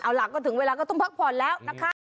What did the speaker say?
เอาล่ะก็ถึงเวลาก็ต้องพักผ่อนแล้วนะคะ